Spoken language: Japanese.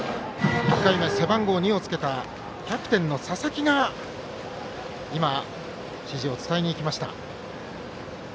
背番号２をつけたキャプテンの佐々木が今、指示を伝えに行きました。